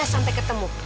saya sampai ketemu